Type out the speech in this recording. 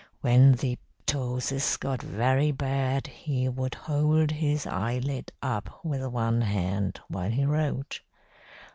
When the ptosis got very bad he would hold his eyelid up with one hand while he wrote.